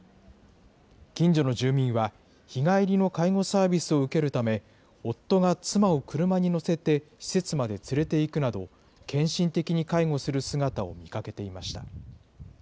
近所の住民は、日帰りの介護サービスを受けるため、夫が妻を車に乗せて施設まで連れていくなど、献身的に介護する姿を見かけていました。